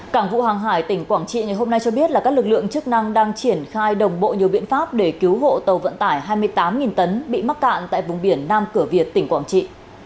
cảng vụ hàng hải tỉnh quảng trị ngày hôm nay cho biết là các lực lượng chức năng đang triển khai đồng bộ nhiều biện pháp để cứu hộ tàu vận tải hai mươi tám tấn bị mắc cạn tại vùng biển nam cửa việt tỉnh quảng trị